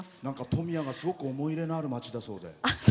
富谷はすごく思い入れのある町だそうで。